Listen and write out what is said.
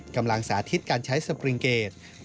กำลังสาธิตการใช้สปริงเกจ